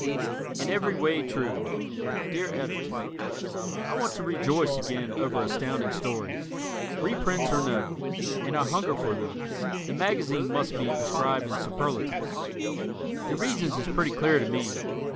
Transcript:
In Every Way, True Dear Editor: I want to rejoice again over Astounding Stories. Reprints or no: and I hunger for them the magazine must be described in superlatives. The reasons is pretty clear to me.